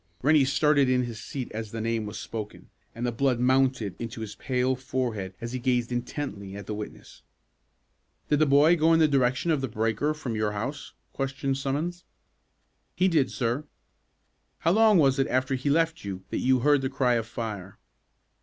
Rennie started in his seat as the name was spoken, and the blood mounted into his pale forehead as he gazed intently at the witness. "Did the boy go in the direction of the breaker from your house?" questioned Summons. "He did, sir." "How long was it after he left you that you heard the cry of fire?"